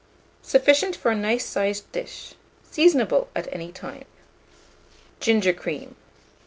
Sufficient for a nice sized dish. Seasonable at any time. GINGER CREAM.